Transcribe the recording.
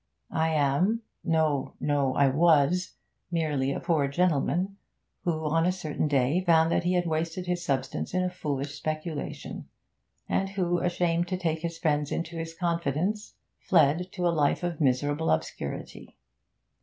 I am no, no, I was merely a poor gentleman, who, on a certain day, found that he had wasted his substance in a foolish speculation, and who, ashamed to take his friends into his confidence, fled to a life of miserable obscurity.